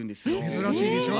珍しいでしょ。